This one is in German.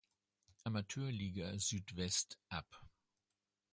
Amateurliga Südwest ab.